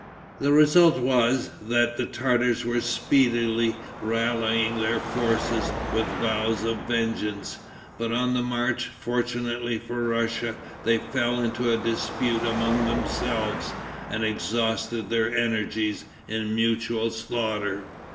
The result was, that the Tartars were speedily rallying their forces, with vows of vengeance. But on the march, fortunately for Russia, they fell into a dispute among themselves, and exhausted their energies in mutual slaughter.